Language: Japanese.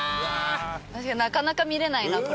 確かになかなか見れないなこれは。